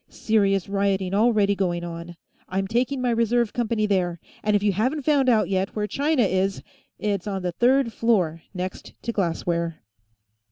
Serious rioting already going on; I'm taking my reserve company there. And if you haven't found out, yet, where China is, it's on the third floor, next to Glassware."